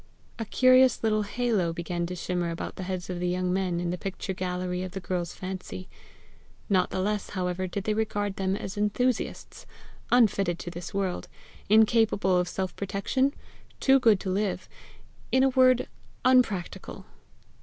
A curious little halo began to shimmer about the heads of the young men in the picture gallery of the girls' fancy. Not the less, however, did they regard them as enthusiasts, unfitted to this world, incapable of self protection, too good to live in a word, unpractical!